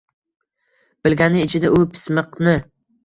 Bilgani ichida u pismiqni